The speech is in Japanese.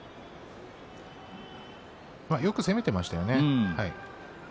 よく攻めていましたよね。